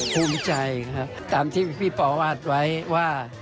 ภูมิใจครับตามที่พี่ปอวาดไว้ว่า